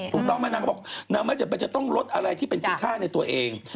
ถูกต้องไหมนางก็บอกนางไม่จำเป็นจะต้องลดอะไรที่เป็นคุณค่าในตัวเอง